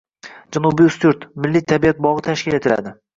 “Janubiy Ustyurt” milliy tabiat bog‘i tashkil etiladi